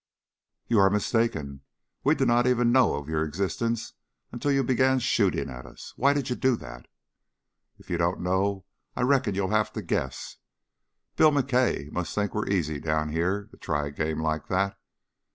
"You are mistaken. We did not even know of your existence until you began shooting at us. Why did you do that?" "If you don't know, I reckon you'll have to guess. Bill McKay must think we're easy down here, to try a game like that."